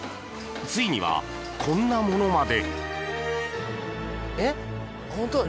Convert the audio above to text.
ついには、こんなものまで。